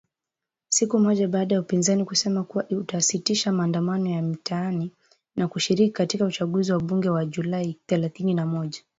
Siku moja baada ya upinzani, kusema kuwa utasitisha maandamano ya mitaani na kushiriki katika uchaguzi wa bunge wa Julai thelathini na moja.